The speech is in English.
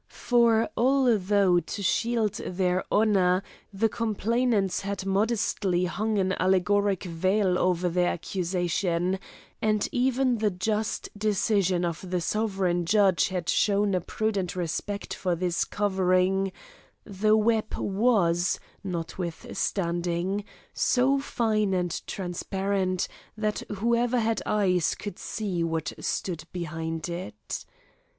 For although to shield their honour, the complainants had modestly hung an allegoric veil over their accusation, and even the just decision of the sovereign judge had shown a prudent respect for this covering, the web was, notwithstanding, so fine and transparent, that whoever had eyes could see what stood behind it.